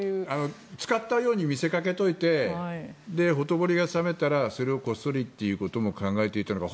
使ったように見せかけておいてほとぼりが冷めたらそれをこっそりということを考えていたのか